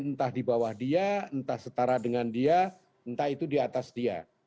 entah di bawah dia entah setara dengan dia entah itu di atas dia